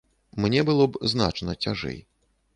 Мне было б значна цяжэй.